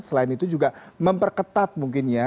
selain itu juga memperketat mungkin ya